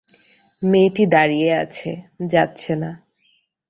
মেয়েটি দাঁড়িয়ে আছে, যাচ্ছে না।